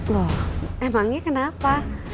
loh emangnya kenapa